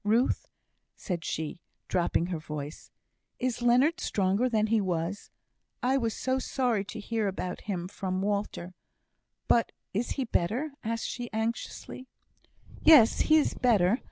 Ruth," said she, dropping her voice, "is Leonard stronger than he was? I was so sorry to hear about him from Walter. But he is better?" asked she, anxiously. "Yes, he is better.